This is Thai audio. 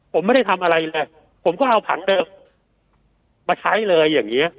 ผมไม่ได้ทำอะไรเลยผมก็เอาผังเดิมมาใช้เลยอย่างนี้